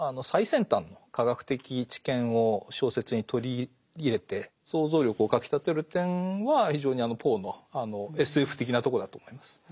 最先端の科学的知見を小説に取り入れて想像力をかきたてる点は非常にポーのＳＦ的なとこだと思います。